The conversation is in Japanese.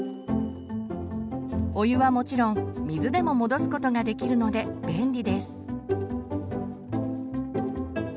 お湯はもちろん水でも戻すことができるので便利です。